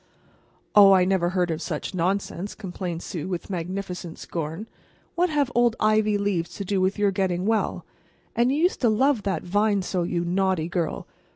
"Oh, I never heard of such nonsense," complained Sue, with magnificent scorn. "What have old ivy leaves to do with your getting well? And you used to love that vine so, you naughty girl.